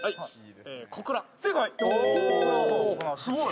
すごい。